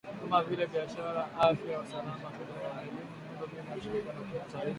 kama vile biashara , afya , usalama , fedha , elimu , miundo mbinu na ushirikiano wa kimataifa